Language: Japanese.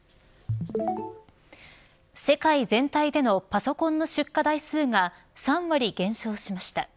世界全体でのパソコンの出荷台数が３割減少しました。